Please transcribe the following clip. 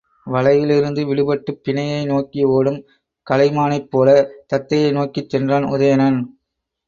வலையிலிருந்து விடுபட்டுப் பிணையை நோக்கி ஒடும் கலைமானைப் போலத் தத்தையை நோக்கிச் சென்றான் உதயணன்.